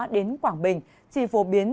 đến quảng bình chỉ phổ biến